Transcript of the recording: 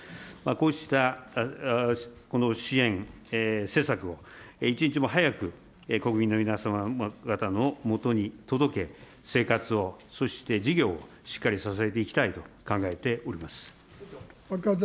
こうした支援、施策を一日も早く国民の皆様方のもとに届け、生活を、そして事業をしっかり支えていきたいと考えております。